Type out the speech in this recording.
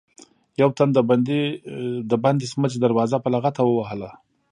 يو تن د بندې سمڅې دروازه په لغته ووهله.